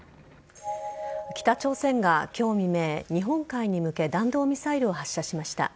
北朝鮮が今日未明日本海に向け弾道ミサイルを発射しました。